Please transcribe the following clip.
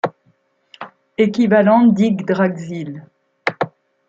Equivalent d'Yggdrasil.